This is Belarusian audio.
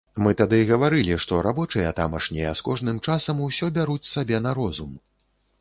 Мы тады гаварылі, што рабочыя тамашнія з кожным часам усё бяруць сабе на розум.